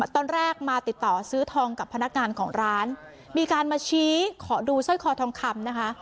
ตอนแรกมาติดต่อซื้อทองกับพนักงานของร้านมีการมาชี้ขอดูสร้อยคอทองคำนะคะ